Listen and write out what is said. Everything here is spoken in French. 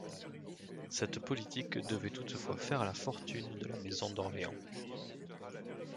Cette politique devait toutefois faire la fortune de la maison d'Orléans.